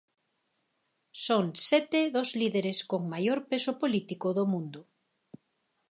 Son sete dos líderes con maior peso político do mundo.